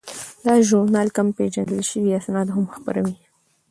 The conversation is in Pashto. دا ژورنال کم پیژندل شوي اسناد هم خپروي.